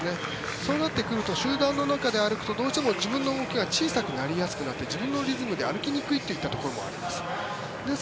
そうなってくると集団の中で歩くとどうしても自分の動きが小さくなりやすくなって自分のリズムで歩きにくいといったところがあります。